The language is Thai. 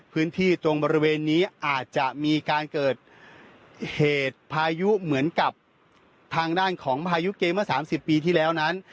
พื้นที่ตรงบริเวณนี้อาจจะมีการเกิดเหตุพายุเหมือนกับทางด้านของพายุเกมเมื่อ๓๐ปีที่แล้วนั้น